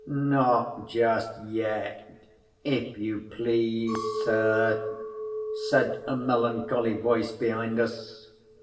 "Not just yet, if you please, sir," said a melancholy voice behind us.